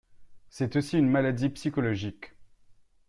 C'est aussi une maladie psychologique.